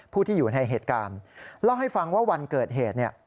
ผู้ที่อยู่ในเหตุการณ์เล่าให้ฟังว่าวันเกิดเหตุเนี่ย